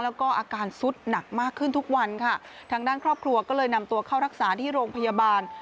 แล้วก็อาการสุดหนักมากขึ้นทุกวันค่ะทางด้านครอบครัวก็เลยนำตัวเข้ารักษาที่โรงพยาบาล